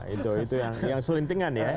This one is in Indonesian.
itu yang selintingan ya